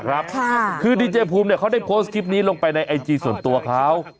ครับที่เดี๋ยเจฟูมเนี้ยเขาได้โพสต์ลงไปในไอจีส่วนตัวเขา